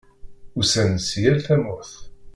Usan-d si yal tamurt.